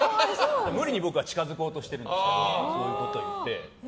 無理に僕は近づこうとしているんですそういうことを言って。